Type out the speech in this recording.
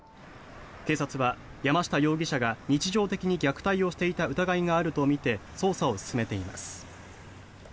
警察は、山下容疑者が日常的に虐待をしていた疑いがあるとみて捜査を進めています。